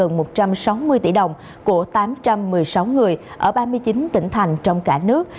gần một trăm sáu mươi tỷ đồng của tám trăm một mươi sáu người ở ba mươi chín tỉnh thành trong cả nước